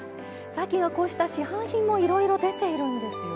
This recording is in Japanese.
最近はこうした市販品もいろいろ出ているんですよね。